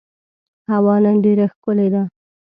هوا نن ډېره ښکلې ده.